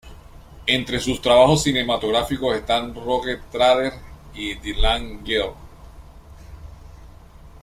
Entre sus trabajos cinematográficos están "Rogue Trader", "The Land Girls", "St.